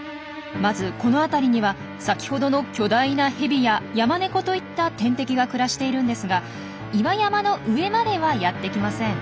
まずこの辺りには先ほどの巨大なヘビやヤマネコといった天敵が暮らしているんですが岩山の上まではやってきません。